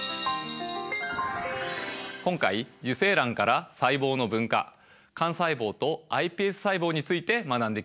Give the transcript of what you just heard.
今回受精卵から細胞の分化幹細胞とｉＰＳ細胞について学んできました。